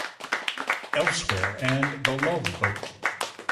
Elsewhere" and "The Love Boat".